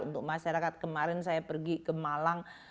untuk masyarakat kemarin saya pergi ke malang